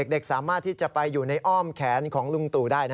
เด็กสามารถที่จะไปอยู่ในอ้อมแขนของลุงตู่ได้